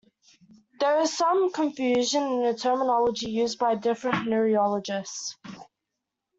There is some confusion in the terminology used by different neurologists.